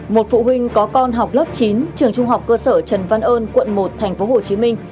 một phụ huynh có con học lớp chín trường trung học cơ sở trần văn ơn quận một tp hcm